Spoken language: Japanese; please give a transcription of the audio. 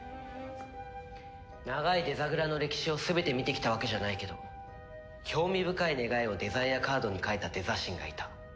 長いデザグラの歴史を全て見てきたわけじゃないけど興味深い願いをデザイアカードに書いたデザ神がいた。